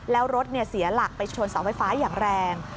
แล้วรถเสียหลักไปชนเสาไฟฟ้าอย่างแรง